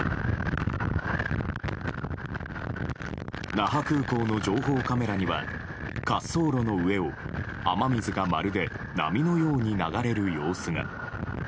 那覇空港の情報カメラには滑走路の上を雨水がまるで波のように流れる様子が。